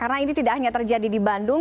karena ini tidak hanya terjadi di bandung